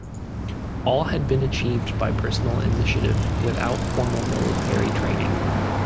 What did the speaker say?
All had been achieved by personal initiative, without formal military training.